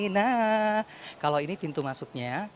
nah kalau ini pintu masuknya